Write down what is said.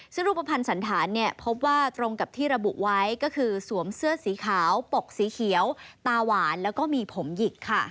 ซึ่งรูปภัณฑ์สันธารพบว่าตรงกับที่ระบุไว้ก็คือสวมเสื้อสีขาวปกสีเขียวตาหวานแล้วก็มีผมหยิกค่ะ